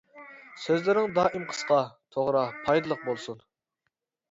سۆزلىرىڭ دائىم قىسقا، توغرا، پايدىلىق بولسۇن.